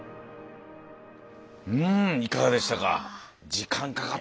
うんいかがでしたか。